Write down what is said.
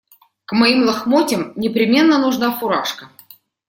К моим лохмотьям непременно нужна фуражка.